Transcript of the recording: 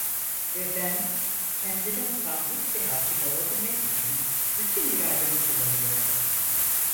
Ve ben kendime sahip ve hâkim olabilmek için bütün irademi kullanıyordum.